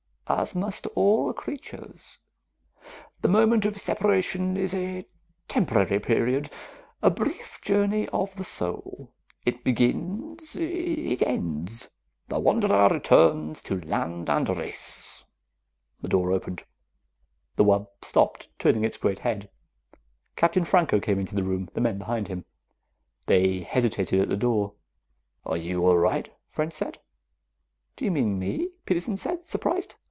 "As must all creatures. The moment of separation is a temporary period, a brief journey of the soul. It begins, it ends. The wanderer returns to land and race...." The door opened. The wub stopped, turning its great head. Captain Franco came into the room, the men behind him. They hesitated at the door. "Are you all right?" French said. "Do you mean me?" Peterson said, surprised.